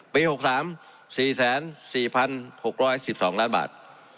๖๓๔๔๖๑๒ล้านบาท